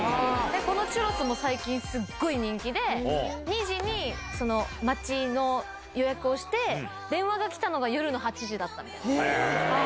このチュロスも最近、すごい人気で、２時に待ちの予約をして、電話が来たのが夜の８時だったみたいな。